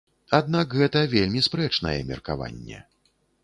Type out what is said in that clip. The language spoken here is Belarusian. Аднак гэта вельмі спрэчнае меркаванне.